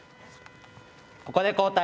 ここで交代。